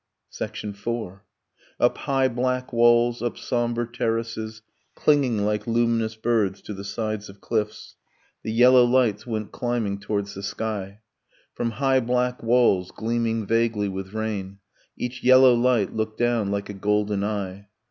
IV. Up high black walls, up sombre terraces, Clinging like luminous birds to the sides of cliffs, The yellow lights went climbing towards the sky. From high black walls, gleaming vaguely with rain, Each yellow light looked down like a golden eye.